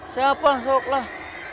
siapa sok lah